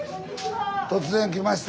突然来まして。